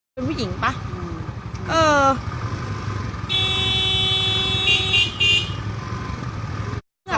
เป็นผู้หญิงป่ะ